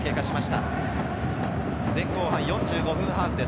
前後半４５分ハーフです。